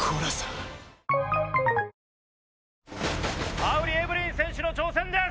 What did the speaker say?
馬瓜エブリン選手の挑戦です！